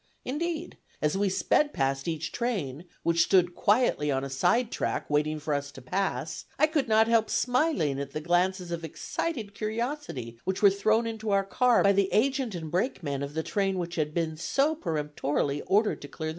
Indeed, as we sped past each train, which stood quietly on a side track waiting for us to pass, I could not help smiling at the glances of excited curiosity which were thrown into our car by the agent and brakemen of the train which had been so peremptorily ordered to clear [Illustration: _THE GREAT UNKNOWN.